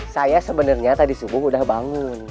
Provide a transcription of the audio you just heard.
saya sebenarnya tadi subuh udah bangun